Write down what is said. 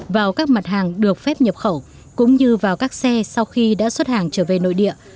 vào các mặt hàng được phép nhập khẩu cũng như vào các xe sau khi đã xuất hàng trở về nội địa